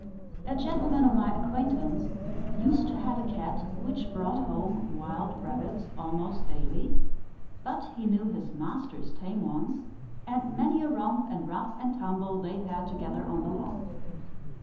A gentleman of my acquaintance used to have a cat, which brought home wild rabbits almost daily, but he knew his master's tame ones, and many a romp and rough and tumble they had together on the lawn.